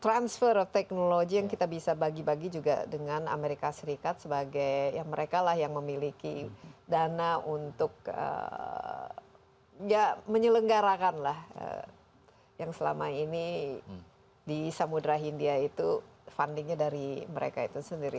transfer of technology yang kita bisa bagi bagi juga dengan amerika serikat sebagai ya mereka lah yang memiliki dana untuk ya menyelenggarakan lah yang selama ini di samudera hindia itu fundingnya dari mereka itu sendiri